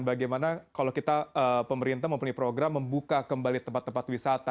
bagaimana kalau kita pemerintah mempunyai program membuka kembali tempat tempat wisata